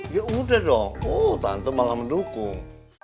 ya udah dong oh tante malah mendukung